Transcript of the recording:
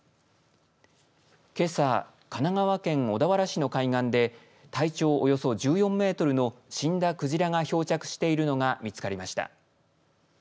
けさ、神奈川県小田原市の海岸で体長およそ１４メートルの死んだクジラが漂着しているのが見つかりました。